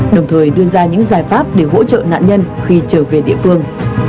đồng thời đưa ra những giải pháp để hỗ trợ nạn nhân khi trở về địa phương